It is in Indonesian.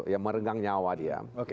ya merenggang nyawa dia